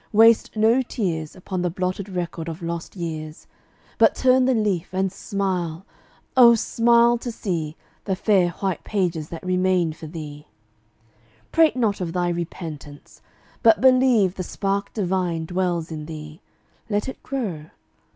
Waste no tears Upon the blotted record of lost years, But turn the leaf and smile, oh, smile, to see The fair white pages that remain for thee. Prate not of thy repentance. But believe The spark divine dwells in thee: let it grow.